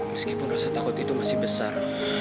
meskipun rasa takut itu masih besar